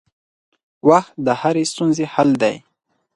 وخت د هرې ستونزې حل دی.